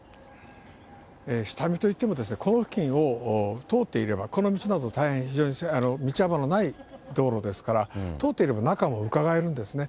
下見といっても、この付近を通っていれば、この道など、大変非常に道幅のない道路ですから、通っていれば、中もうかがえるんですね。